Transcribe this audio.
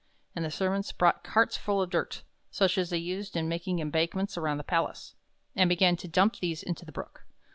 And the servants brought carts full of dirt, such as they used in making embankments around the palace, and began to dump these into the Brook.